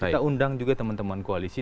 kita undang juga teman teman koalisi